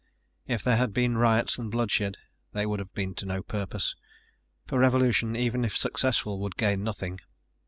If there had been riots and bloodshed, they would have been to no purpose. For revolution, even if successful, would gain nothing.